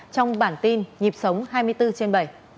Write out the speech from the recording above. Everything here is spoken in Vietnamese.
trong bản tin nhịp sống hai mươi bốn trên bảy